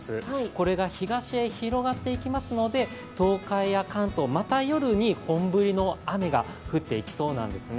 これが東へ広がっていきますので、東海や関東、また夜に本降りの雨が降っていきそうなんですね。